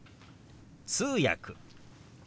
「通訳」。